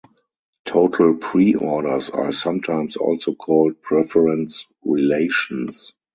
Total preorders are sometimes also called preference relations.